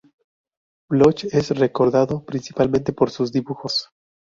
Bloch es recordado principalmente por sus dibujos.